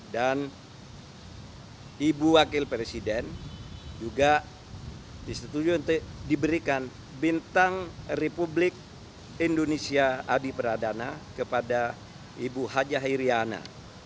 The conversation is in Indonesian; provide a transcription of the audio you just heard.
dan ibu wakil presiden juga disetujui untuk diberikan bintang republik indonesia adi pradana kepada ibu hj iryana